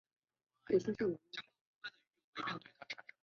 原俄国使馆旧址已无任何遗迹。